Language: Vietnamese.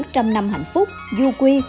trăm năm hạnh phúc du quy